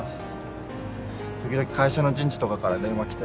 時々会社の人事とかから電話来て話すけど。